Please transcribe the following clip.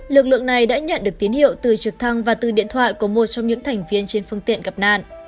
lực lượng này đã nhận được tín hiệu từ trực thăng và từ điện thoại của một trong những thành viên trên phương tiện gặp nạn